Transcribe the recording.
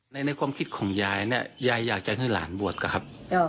ในความคิดของยายเนี่ยยายอยากจะให้หลานบวชก่อนครับ